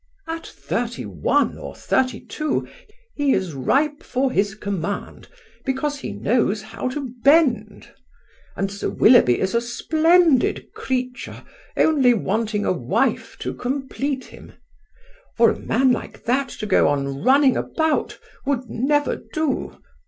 At thirty one or thirty two he is ripe for his command, because he knows how to bend. And Sir Willoughby is a splendid creature, only wanting a wife to complete him. For a man like that to go on running about would never do.